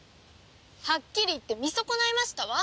はっきり言って見損ないましたわ。